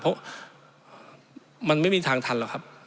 เพราะมันไม่มีทางทันหรอกครับ